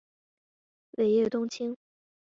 尾叶冬青